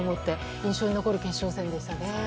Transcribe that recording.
印象に残る決勝戦でしたね。